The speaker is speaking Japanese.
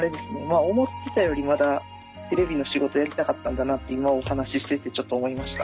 思ってたよりまだテレビの仕事やりたかったんだなって今お話ししててちょっと思いました。